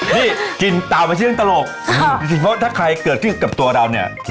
นี่กินตามมาเชื่อเรื่องตลกจริงเพราะถ้าใครเกิดขึ้นกับตัวเราเนี่ย